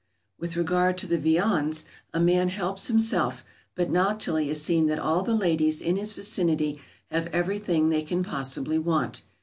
] With regard to the viands, a man helps himself, but not till he has seen that all the ladies in his vicinity have everything they can possibly want.